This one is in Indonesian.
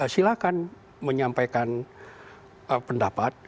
silakan menyampaikan pendapat